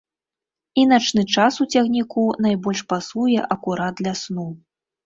І начны час у цягніку найбольш пасуе акурат для сну.